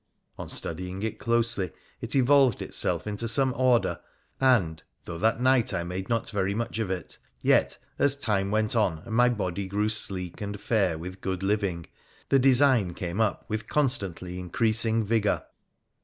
On studying it closely it evolved itself into some order, and, though that night I made not very much of it, yet, as time went on and my body grew sleek and fair with good living, the design came up with constantly increasing vigour.